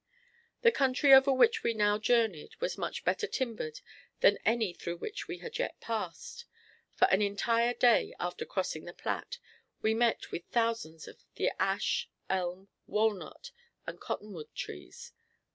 The country over which we now journeyed was much better timbered than any through which we had yet passed. For an entire day after crossing the Platte, we met with thousands of the ash, elm, walnut, and cottonwood trees.